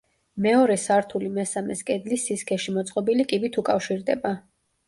მეორე სართული მესამეს კედლის სისქეში მოწყობილი კიბით უკავშირდება.